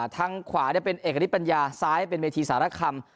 ทางขวาเป็นเอกณิตปัญญาซ้ายเป็นเวทีสารคำ